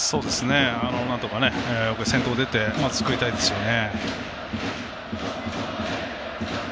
なんとか先頭出て作りたいですよね。